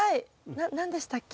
な何でしたっけ？